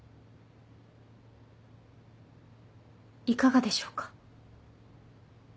いかがでしょうか？